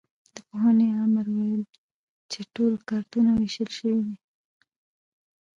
د پوهنې امر ویل چې ټول کارتونه وېشل شوي دي.